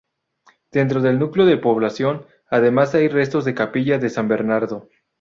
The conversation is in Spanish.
Dentro del núcleo de población, además, hay restos de la capilla de San Bernardo.